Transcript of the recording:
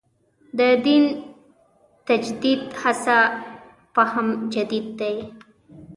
دین تجدید هڅه فهم تجدید دی.